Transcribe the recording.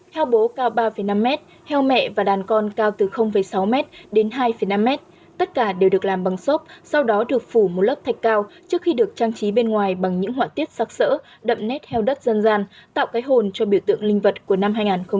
heo bố cao ba năm m heo mẹ và đàn con cao từ sáu m đến hai năm m tất cả đều được làm bằng xốp sau đó được phủ một lớp thạch cao trước khi được trang trí bên ngoài bằng những họa tiết sắc sỡ đậm nét heo đất dân gian tạo cái hồn cho biểu tượng linh vật của năm hai nghìn một mươi chín